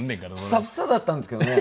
フサフサだったんですけどね。